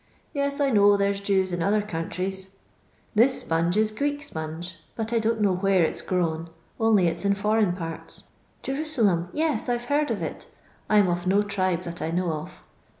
Yei^ I know there 's Jews in other countries. TUs sponge is Greek sponge, but I don't know where it 's grown, only it 's in foreign parts. Jeru niem ! Tea, I Ve heard of it I *m of no tribe that I know of.